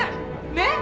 ねっ？